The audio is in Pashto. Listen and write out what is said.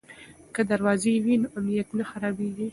که دروازه وي نو امنیت نه خرابېږي.